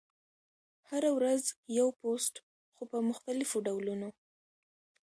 هره ورځ یو پوسټ، خو په مختلفو ډولونو: